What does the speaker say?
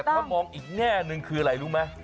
ถ้ามองอีกแง่หนึ่งคืออะไรรู้ไหม